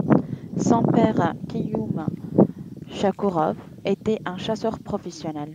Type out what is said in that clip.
Son père Kaïum Chakourov était un chasseur professionnel.